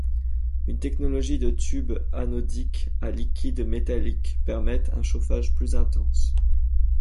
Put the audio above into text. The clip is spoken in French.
Une technologie de tubes anodiques à liquide métalliques permettent un chauffage plus intense.